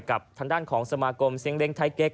กับทางด้านของสมาคมเสียงเล้งไทยเก๊ก